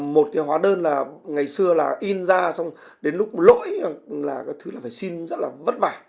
một cái hóa đơn là ngày xưa là in ra xong đến lúc lỗi là cái thứ là phải xin rất là vất vả